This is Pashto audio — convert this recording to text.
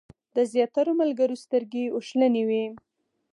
د زیاترو ملګرو سترګې اوښلنې وې.